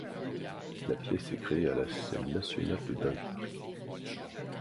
La pièce est créée à la Scène Nationale de Dunkerque.